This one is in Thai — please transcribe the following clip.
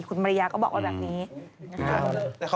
คุณมริยาก็บอกว่าแบบนี้